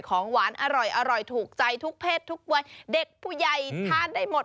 ของหวานอร่อยถูกใจทุกเพศทุกวัยเด็กผู้ใหญ่ทานได้หมด